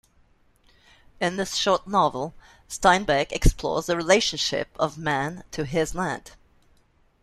In this short novel, Steinbeck explores the relationship of man to his land.